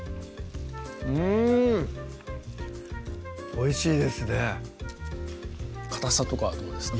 おいしいですねかたさとかはどうですか？